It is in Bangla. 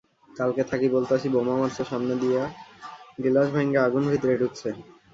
কালকে থাকি বলতাছি বোমা মারছে সামনে দিয়া, গিলাস ভাইঙা আগুন ভিতরে ঢুকছে।